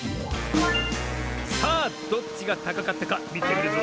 さあどっちがたかかったかみてみるぞ。